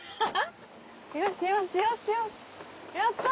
よしよしよしよしやった！